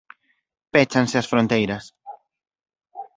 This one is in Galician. Péchanse as fronteiras.